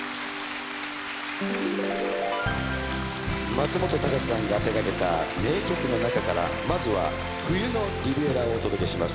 松本隆さんが手がけた名曲の中からまずは『冬のリヴィエラ』をお届けします。